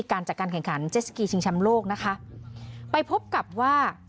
การแข่งขันเจสสกีชิงชำโลกนะคะไปพบกับว่า